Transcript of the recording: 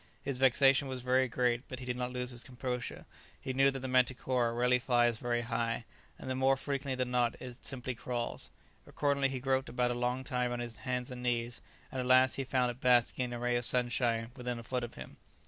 His vexation was very great, but he did not lose his composure; he knew that the manticora rarely flies very high, and that more frequently than not it simply crawls. Accordingly he groped about a long time on his hands and knees, and at last he found it basking in a ray of sunshine within a foot of him.